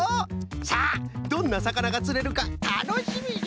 さあどんなさかながつれるかたのしみじゃ！